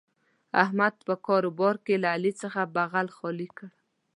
احمد په کاروبار کې له علي څخه بغل خالي کړ.